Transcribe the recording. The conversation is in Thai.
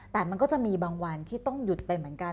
แต่มันก็จะมีบางวันที่ต้องหยุดไปเหมือนกัน